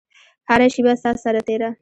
هره شیبه ستا سره تیره